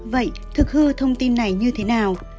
vậy thực hư thông tin này như thế nào